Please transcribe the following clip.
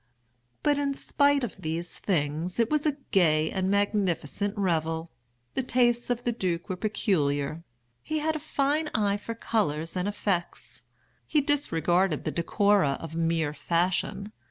But, in spite of these things, it was a gay and magnificent revel. The tastes of the duke were peculiar. He had a fine eye for colors and effects. He disregarded the decora of mere fashion.